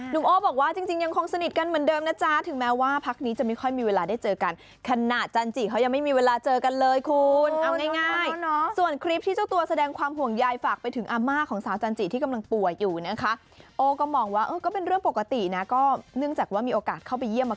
โอ้บอกว่าจริงยังคงสนิทกันเหมือนเดิมนะจ๊ะถึงแม้ว่าพักนี้จะไม่ค่อยมีเวลาได้เจอกันขณะจันจิเขายังไม่มีเวลาเจอกันเลยคุณเอาง่ายส่วนคลิปที่เจ้าตัวแสดงความห่วงใยฝากไปถึงอาม่าของสาวจันจิที่กำลังป่วยอยู่นะคะโอ้ก็มองว่าเออก็เป็นเรื่องปกตินะก็เนื่องจากว่ามีโอกาสเข้าไปเยี่ยมมา